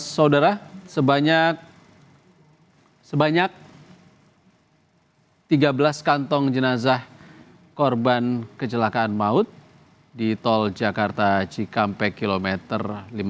saudara sebanyak tiga belas kantong jenazah korban kecelakaan maut di tol jakarta cikampek kilometer lima puluh